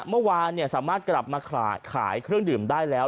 เมื่อวานสามารถกลับมาขายเครื่องดื่มได้แล้ว